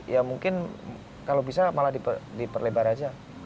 ya mungkin kalau bisa malah diperlebar aja